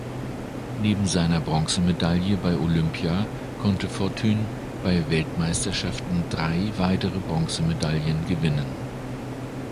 Neben seiner Bronzemedaille bei Olympia konnte Fortune bei Weltmeisterschaften drei weitere Bronzemedaillen gewinnen.